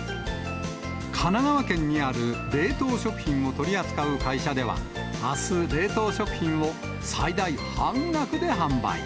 神奈川県にある冷凍食品を取り扱う会社では、あす、冷凍食品を最大半額で販売。